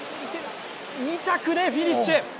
２着でフィニッシュ。